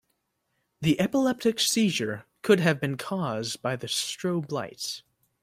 The epileptic seizure could have been cause by the strobe lights.